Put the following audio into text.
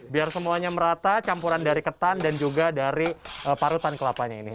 biar semuanya merata campuran dari ketan dan juga dari parutan kelapanya ini